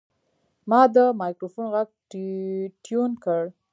ما د مایکروفون غږ ټیون کړ.